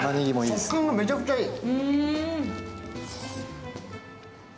食感がめちゃくちゃいい。